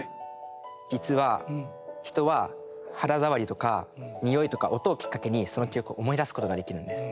実は人は肌触りとか匂いとか音をきっかけにその記憶を思い出すことができるんです。